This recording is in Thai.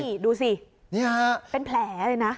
นี่ดูสิเป็นแผลเลยนะ